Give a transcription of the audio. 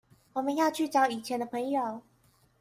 我們要去找以前的朋友